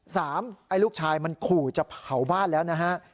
ไอ้ลูกชายมันขู่จะเผาบ้านแล้วนะฮะ